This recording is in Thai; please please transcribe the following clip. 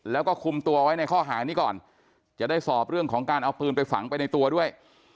แล้วก็คุมตัวไว้ในข้อหานี้ก่อนจะได้สอบเรื่องของการเอาปืนไปฝังไปในตัวด้วย